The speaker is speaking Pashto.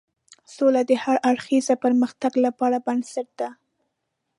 سوله د هر اړخیز پرمختګ لپاره بنسټ ده.